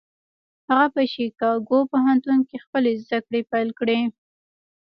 هغه په شيکاګو پوهنتون کې خپلې زدهکړې پيل کړې.